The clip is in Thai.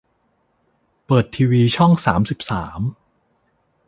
เปิดทีวีช่องสามสิบสาม